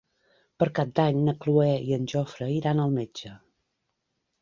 Per Cap d'Any na Cloè i en Jofre iran al metge.